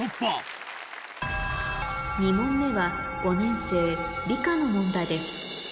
２問目は５年生理科の問題です